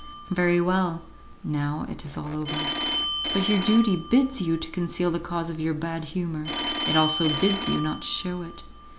"Very well; now it is all over; but if your duty bids you to conceal the cause of your bad humour, it also bids you not to shew it.